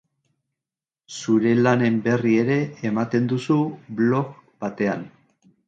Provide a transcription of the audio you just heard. Zure lanen berri ere ematen duzu, blog batean.